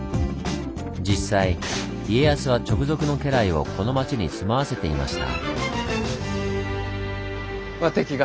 実際家康は直属の家来をこの町に住まわせていました。